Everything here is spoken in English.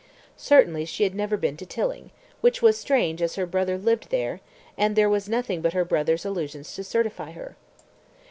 Certainly she had never been to Tilling, which was strange as her brother lived there, and there was nothing but her brother's allusions to certify her.